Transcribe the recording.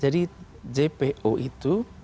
jadi jpo itu